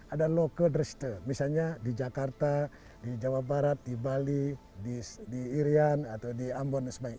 ada loca dreste misalnya di jakarta di jawa barat di bali di irian atau di ambon dan sebagainya